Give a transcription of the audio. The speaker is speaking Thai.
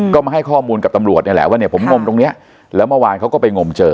ก็มาให้ข้อมูลกับตำรวจนี่แหละว่าเนี่ยผมงมตรงเนี้ยแล้วเมื่อวานเขาก็ไปงมเจอ